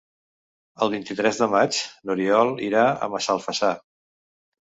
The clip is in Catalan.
El vint-i-tres de maig n'Oriol irà a Massalfassar.